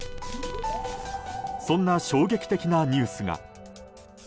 そんな衝撃的なニュースが。